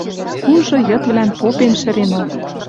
Кужы йыдвлӓн попен шӹренок.